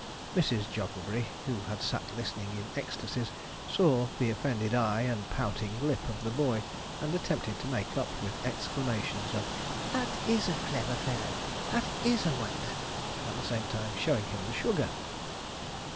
Mrs. Jogglebury, who had sat listening in ecstasies, saw the offended eye and pouting lip of the boy, and attempted to make up with exclamations of 'That is a clever fellow! That is a wonder!' at the same time showing him the sugar.